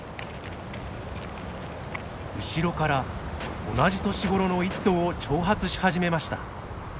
後ろから同じ年頃の１頭を挑発し始めました。